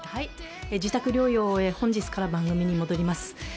自宅療養を終え、本日から番組に戻ります。